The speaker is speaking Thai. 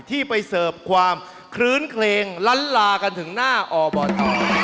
ที่ไปเสิร์ฟความคลื้นเคลงล้านลากันถึงหน้าอบท